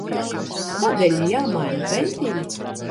Kādēļ ir jāmaina ventiļi?